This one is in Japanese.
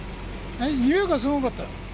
臭いがすごかった。